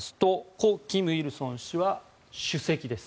故・金日成氏は主席です。